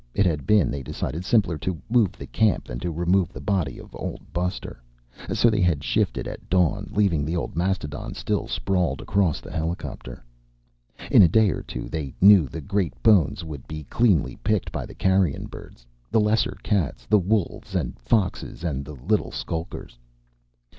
It had been, they decided, simpler to move the camp than to remove the body of Old Buster. So they had shifted at dawn, leaving the old mastodon still sprawled across the helicopter. In a day or two, they knew, the great bones would be cleanly picked by the carrion birds, the lesser cats, the wolves and foxes and the little skulkers.